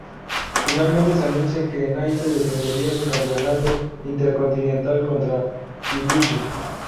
Finalmente se anunció que Naito defendería su Campeonato Intercontinental contra Ibushi.